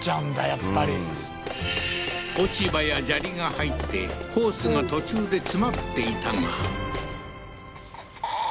やっぱり落ち葉や砂利が入ってホースが途中で詰まっていたがおっははは